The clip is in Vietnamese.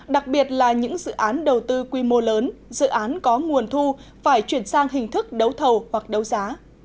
đặc biệt là những dự án đầu tư quy mô lớn dự án có nguồn thu phải chuyển sang hình thức đấu thầu hoặc đấu giá